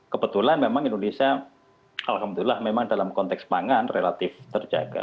kebetulan memang indonesia alhamdulillah memang dalam konteks pangan relatif terjaga